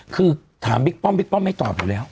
คือถามบิ๊กป้อมบิ๊กป้อมไม่ตอบอยู่แล้ว